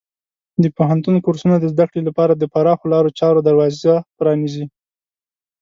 د پوهنتون کورسونه د زده کړې لپاره د پراخو لارو چارو دروازه پرانیزي.